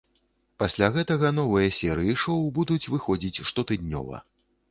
Пасля гэтага новыя серыі шоу будуць выходзіць штотыднёва.